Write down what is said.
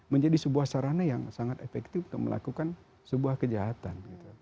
menjadi sebuah sarana yang sangat efektif untuk melakukan sebuah kejahatan